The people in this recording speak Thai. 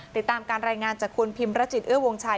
ติดตามการแรงงานจากคุณพิมพ์รัจฉินเอื้อวงไชย